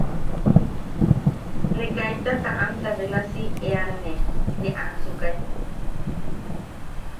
Ne kaita taʼamta benasi eanne ne ansukai.